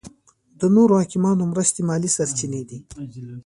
د نورو حاکمانو مرستې مالي سرچینې دي.